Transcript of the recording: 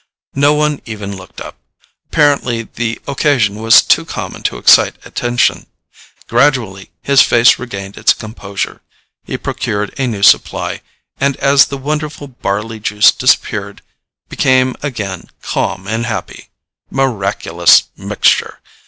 No one even looked up; apparently the occasion was too common to excite attention. Gradually his face regained its composure. He procured a new supply, and as the wonderful barley juice disappeared became again calm and happy. Miraculous mixture!